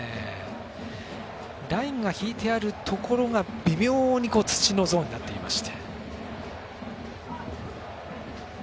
ライン引いてあるところが微妙に土のゾーンになっています。